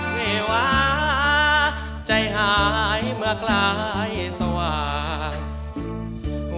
เววาใจหายเมื่อกลายสว่าง